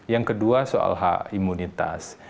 yang kedua soal hak imunitas